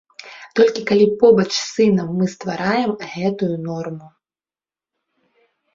Толькі калі побач з сынам мы ствараем гэтую норму.